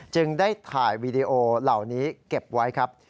จึงได้ถ่ายวีดีโอเหล่านี้เก็บไว้ครับ